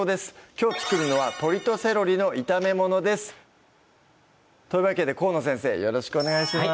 きょう作るのは「鶏とセロリの炒めもの」ですというわけで河野先生よろしくお願いします